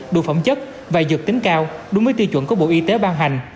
đủ phẩm chất và dược tính cao đúng với tiêu chuẩn của bộ y tế ban hành